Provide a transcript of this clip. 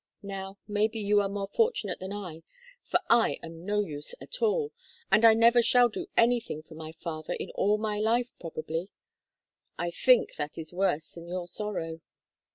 Now, maybe you are more fortunate than I, for I am no use at all, and I never shall do anything for my father in all my life, probably. I think that is worse than your sorrow."